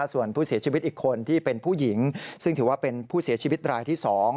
ส่วนผู้เสียชีวิตอีกคนที่เป็นผู้หญิงซึ่งถือว่าเป็นผู้เสียชีวิตรายที่๒